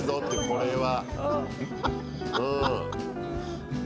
これは。